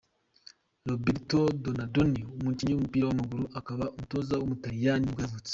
Roberto Donadoni, umukinnyi w’umupira w’amaguru akaba n’umutoza w’umutaliyani nibwo yavurtse.